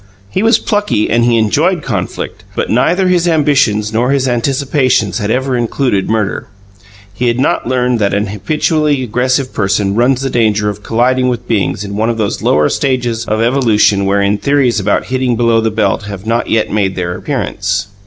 He was plucky and he enjoyed conflict, but neither his ambitions nor his anticipations had ever included murder. He had not learned that an habitually aggressive person runs the danger of colliding with beings in one of those lower stages of evolution wherein theories about "hitting below the belt" have not yet made their appearance.